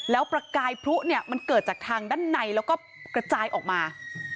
แล้วประกายพลุเนี่ยมันเกิดจากทางด้านในแล้วก็กระจายออกมา